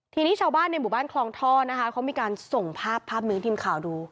ทีนี้ชาวบ้านในหมู่บ้านคลองท่อนะคะเขามีการส่งภาพภาพนี้ให้ทีมข่าวดู